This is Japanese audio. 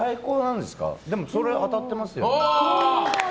でも、それ当たってますよ。